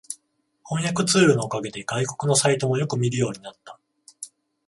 翻訳ツールのおかげで外国のサイトもよく見るようになった